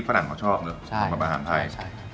ฝรั่งเขาชอบเวลาอาหารไทย